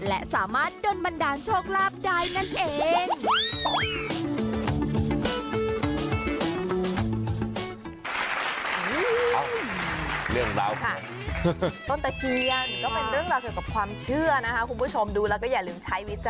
และสามารถดนบันดาลโชคลาภได้นั่นเอง